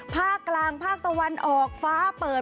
ภาคกลางภาคตะวันออกฟ้าเปิด